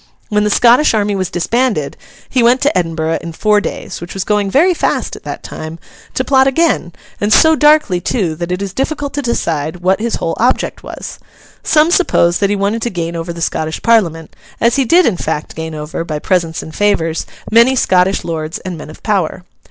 When the Scottish army was disbanded, he went to Edinburgh in four days—which was going very fast at that time—to plot again, and so darkly too, that it is difficult to decide what his whole object was. Some suppose that he wanted to gain over the Scottish Parliament, as he did in fact gain over, by presents and favours, many Scottish lords and men of power.